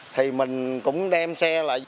thì mình cũng đem xe lại